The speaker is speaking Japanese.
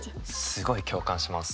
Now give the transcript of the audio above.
すごい共感します。